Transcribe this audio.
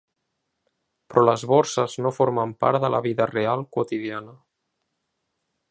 Però les borses no formen part de la vida real quotidiana.